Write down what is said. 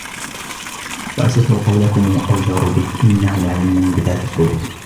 وَأَسِرُّوا قَوْلَكُمْ أَوِ اجْهَرُوا بِهِ إِنَّهُ عَلِيمٌ بِذَاتِ الصُّدُورِ